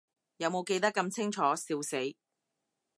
有無記得咁清楚，笑死